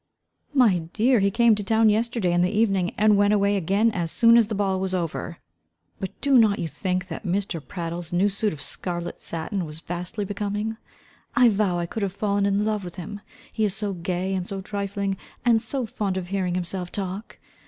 "My dear, he came to town yesterday in the evening, and went away again as soon as the ball was over. But do not you think that Mr. Prattle's new suit of scarlet sattin was vastly becoming? I vow I could have fallen in love with him. He is so gay and so trifling, and so fond of hearing himself talk.